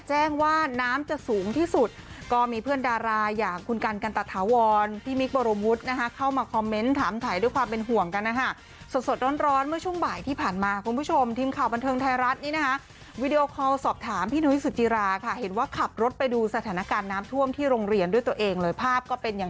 แจ้งว่าน้ำจะสูงที่สุดก็มีเพื่อนดาราอย่างคุณกันกันตะถาวรพี่มิคบรมวุฒินะคะเข้ามาคอมเมนต์ถามถ่ายด้วยความเป็นห่วงกันนะฮะสดสดร้อนเมื่อช่วงบ่ายที่ผ่านมาคุณผู้ชมทีมข่าวบันเทิงไทยรัฐนี่นะคะวีดีโอคอลสอบถามพี่นุ้ยสุจิราค่ะเห็นว่าขับรถไปดูสถานการณ์น้ำท่วมที่โรงเรียนด้วยตัวเองเลยภาพก็เป็นอย่าง